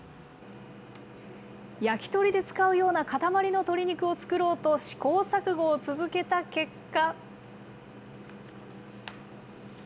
焼き鳥で使うような塊の鶏肉を作ろうと試行錯誤を続けた結果。